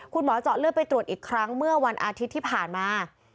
คุณหมอเจาะเลือดไปตรวจอีกครั้งเมื่อวันอาทิตย์ที่ผ่านมา